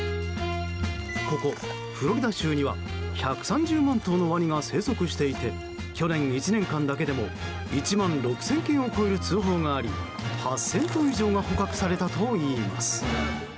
ここフロリダ州には１３０万頭のワニが生息していて去年１年間だけでも１万６０００件を超える通報があり、８０００頭以上が捕獲されたといいます。